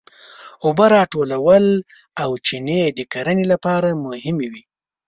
اوبه راټولول او چینې د کرنې لپاره مهمې وې.